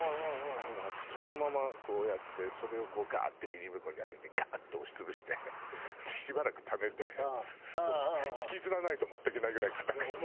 だから私そのままこうやってそれをガッてビニール袋にあけてガッて押し潰してしばらくためてもう引きずらないと持っていけないぐらい硬くして。